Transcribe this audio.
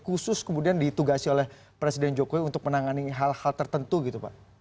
khusus kemudian ditugasi oleh presiden jokowi untuk menangani hal hal tertentu gitu pak